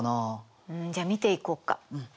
じゃあ見ていこっか。